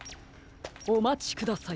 おまちください。